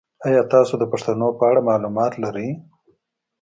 ایا تاسو د پښتنو په اړه معلومات لرئ؟